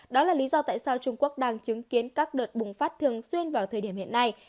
đó là lý do tại sao trung quốc đang chứng kiến các đợt bùng phát thường xuyên vào thời điểm hiện nay